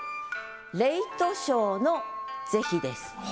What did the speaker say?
「レイトショー」の是非です。